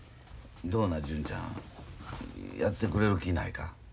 どうな純ちゃんやってくれる気ないか？